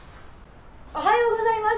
「おはようございます。